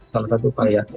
salah satu upaya